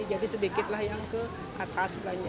jadi sedikit lah yang ke atas belanjanya